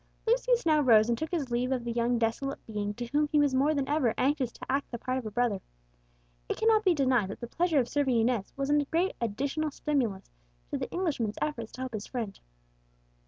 Lucius now rose and took his leave of the young desolate being to whom he was more than ever anxious to act the part of a brother. It cannot be denied that the pleasure of serving Inez was a great additional stimulus to the Englishman's efforts to help his friend.